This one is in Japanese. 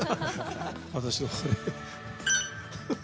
私は。